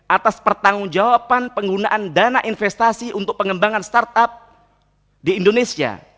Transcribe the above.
atas pertanggung jawaban penggunaan dana investasi untuk pengembangan startup di indonesia